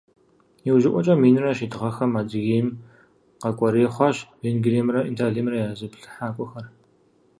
Иужьыӏуэкӏэ, минрэ щитӏ гъэхэм, Адыгейм къэкӏуэрей хъуащ Венгриемрэ Италиемрэ я зыплъыхьакӏуэхэр.